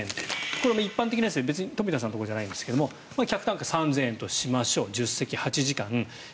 これも一般的なのでとみ田さんのところではありませんが客単価３０００円としましょう１０席、８時間。